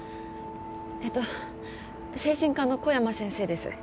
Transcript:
ええと精神科の小山先生です。